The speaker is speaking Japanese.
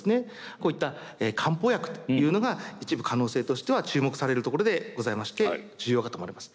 こういった漢方薬というのが一部可能性としては注目されるところでございまして重要かと思われます。